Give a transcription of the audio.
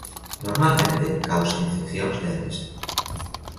Normalmente causa infeccións leves.